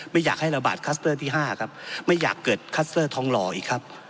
ไม่อยากให้ระบาดคัสเตอร์ที่๕ครับไม่อยากเกิดคัสเตอร์ทองหล่ออีกครับ